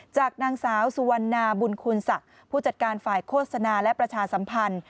จากนางสาวสุวรรณาบุญคุณศักดิ์ผู้จัดการฝ่ายโฆษณาและประชาสัมพันธ์